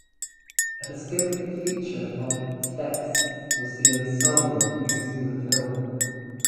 A distinctive feature of "Thes" was the ensemble used in the film.